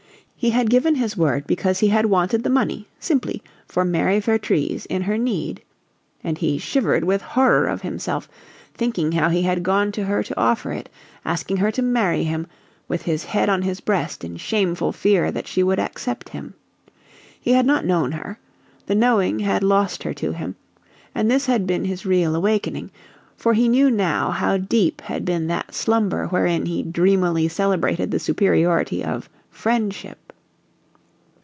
He had given his word because he had wanted the money, simply, for Mary Vertrees in her need. And he shivered with horror of himself, thinking how he had gone to her to offer it, asking her to marry him with his head on his breast in shameful fear that she would accept him! He had not known her; the knowing had lost her to him, and this had been his real awakening; for he knew now how deep had been that slumber wherein he dreamily celebrated the superiority of "friendship"!